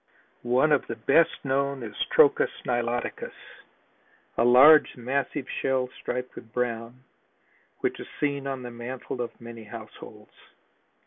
One of the best known is Trochus niloticus, a large, massive shell striped with brown, which is seen on the mantle of many households.